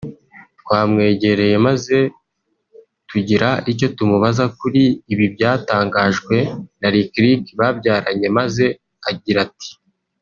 twamwegereye maze tugira icyo tumubaza kuri ibi byatangajwe na Lick Lick babyaranye maze agira ati